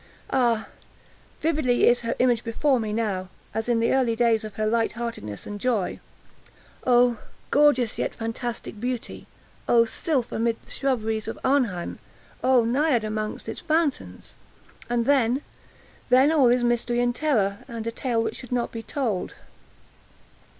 Ah, vividly is her image before me now, as in the early days of her light heartedness and joy! Oh, gorgeous yet fantastic beauty! Oh, sylph amid the shrubberies of Arnheim! Oh, Naiad among its fountains! And then—then all is mystery and terror, and a tale which should not be told.